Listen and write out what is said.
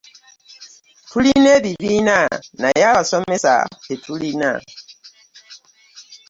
Tulina ebibiina naye abasomesa tetulina.